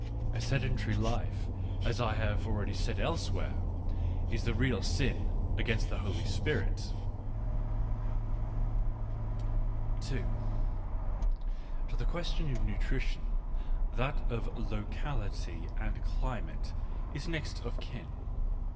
^ A sedentary life, as I have already said elsewhere, is the real sin against the Holy Spirit. Digitized by Google WHY I AM SO CLEVER 33 To the question of nutrition, that of locality and climate is next of kin.